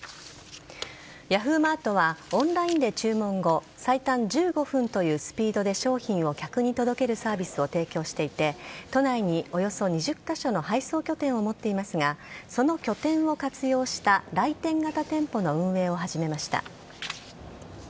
Ｙａｈｏｏ！マートはオンラインで注文後最短１５分というスピードで商品を客に届けるサービスを提供していて都内に、およそ２０カ所の配送拠点を持っていますがその拠点を活用した来店型店舗の運営を始めました。